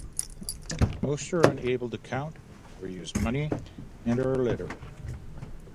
Most are unable to count or use money and are illiterate.